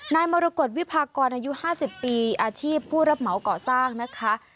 มรกฏวิพากรอายุ๕๐ปีอาชีพผู้รับเหมาก่อสร้างนะคะ